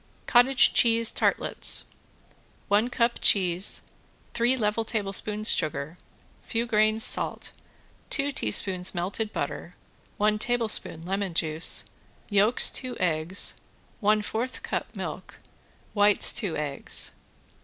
~COTTAGE CHEESE TARTLETS~ One cup cheese, three level tablespoons sugar, few grains salt, two teaspoons melted butter, one tablespoon lemon juice, yolks two eggs, one fourth cup milk, whites two eggs.